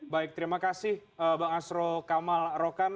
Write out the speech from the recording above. baik terima kasih bang asro kamal rokan